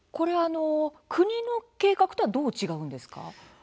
国の計画とはどう違うんですか。